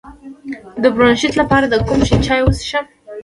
د برونشیت لپاره د کوم شي چای وڅښم؟